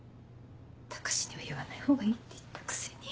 高志には言わないほうがいいって言ったくせに。